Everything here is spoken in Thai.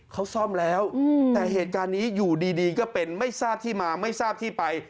เขาซ่อมแล้วแต่เหตุการณ์นี้อยู่ดีก็เป็นไม่ทราบที่มาไม่ทราบที่ไป